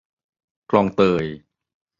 คลองเตย